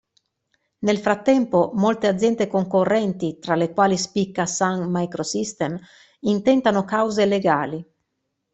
Nel frattempo, molte aziende concorrenti, tra le quali spicca Sun Microsystem, intentano cause legali.